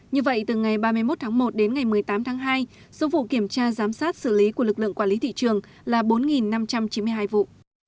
như vậy từ ngày ba mươi một tháng một đến ngày một mươi tám tháng hai số vụ kiểm tra giám sát xử lý của lực lượng quản lý thị trường là bốn năm trăm chín mươi hai vụ